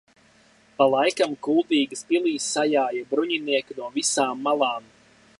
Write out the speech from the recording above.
Pa laikam Kuldīgas pilī sajāja bruņinieki no visām malām.